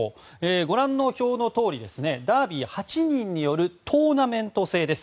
ご覧の表のとおりダービー８人によるトーナメント制です。